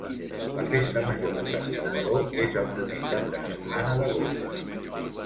La festa major de Sant Salvador és el primer cap de setmana d'agost.